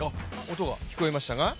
音が聞こえましたが。